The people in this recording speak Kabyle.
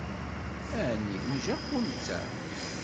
Ɛni n Japu netta?